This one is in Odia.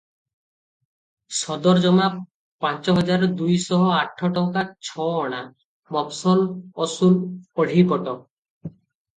ସଦରଜମା ପାଞ୍ଚ ହଜାର ଦୁଇଶହ ଆଠ ଟଙ୍କା ଛ ଅଣା; ମଫସଲ ଅସୁଲ ଅଢ଼େଇ ପଟ ।